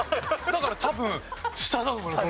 だから多分下なんだと思います。